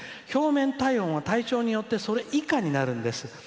表面体温は体調によってそれ以下になるんです。